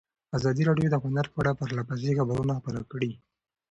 ازادي راډیو د هنر په اړه پرله پسې خبرونه خپاره کړي.